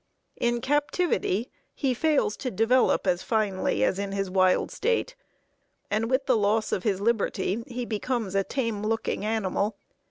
In captivity he fails to develop as finely as in his wild state, and with the loss of his liberty he becomes a tame looking animal.